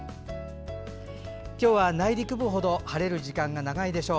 今日は内陸部ほど晴れる時間が長いでしょう。